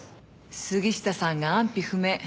杉下さんが安否不明。